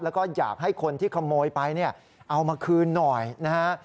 แล้วก็อยากให้คนที่ขโมยไปเนี่ยเอามาคืนหน่อยนะฮะ